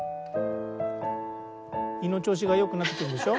胃の調子が良くなってくるでしょ？